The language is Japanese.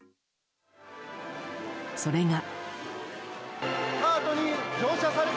それが。